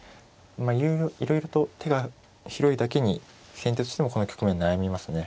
いろいろと手が広いだけに先手としてもこの局面悩みますね。